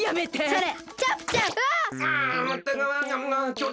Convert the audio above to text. それ！